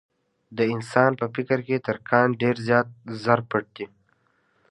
د انسان په فکر کې تر کان ډېر زر پټ دي.